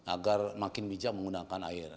agar makin bijak menggunakan air